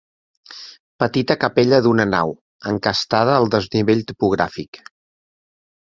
Petita capella d'una nau, encastada al desnivell topogràfic.